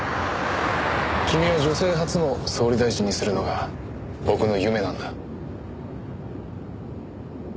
君を女性初の総理大臣にするのが僕の夢なんだ。